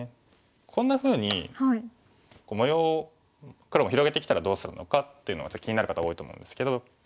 こんなふうに模様を黒も広げてきたらどうするのかっていうのが気になる方多いと思うんですけど。